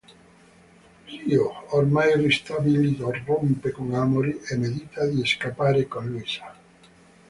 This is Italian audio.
Rio, ormai ristabilito, rompe con Amory e medita di scappare con Louisa.